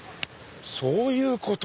そういうこと！